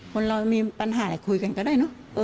คนเรามีปัญหาคุยกันก็ได้